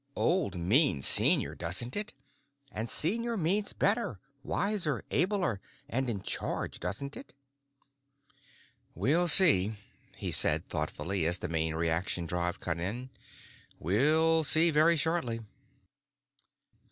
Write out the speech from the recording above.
Old means Senior, doesn't it? And Senior means better, wiser, abler, and in charge, doesn't it?" "We'll see," he said thoughtfully as the main reaction drive cut in. "We'll see very shortly."